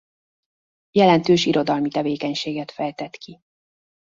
Jelentős irodalmi tevékenységet fejtett ki.